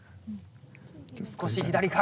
少し左か？